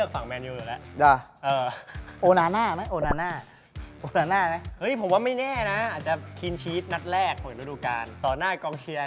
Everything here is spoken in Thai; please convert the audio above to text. ขบันกลางต่อตอนหน้ากองเชียร์